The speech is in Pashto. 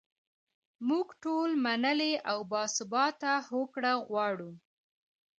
موږ ټول منلې او باثباته هوکړه غواړو.